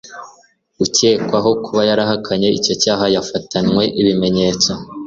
Ukekwaho kuba yarahakanye icyo cyaha yafatanywe ibimenyetso